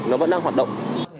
nó vẫn đang hoạt động